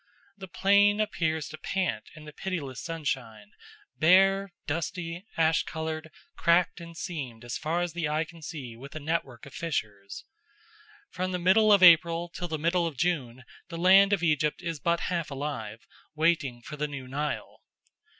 The plain appears to pant in the pitiless sunshine, bare, dusty, ash coloured, cracked and seamed as far as the eye can see with a network of fissures. From the middle of April till the middle of June the land of Egypt is but half alive, waiting for the new Nile.